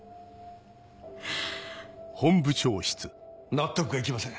納得がいきません